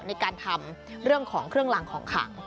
ในการทำเรื่องของเครื่องรางของขัง